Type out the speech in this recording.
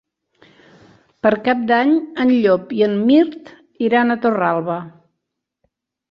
Per Cap d'Any en Llop i en Mirt iran a Torralba.